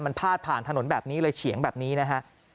มันพาดผ่านถนนแบบนี้เลยเฉียงแบบนี้นะฮะ